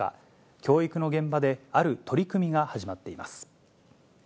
教育の現場である取り組みが始まっています。